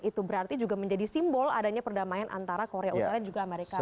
itu berarti juga menjadi simbol adanya perdamaian antara korea utara dan juga amerika serikat